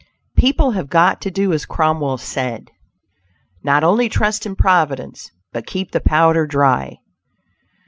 People have got to do as Cromwell said: "not only trust in Providence, but keep the powder dry."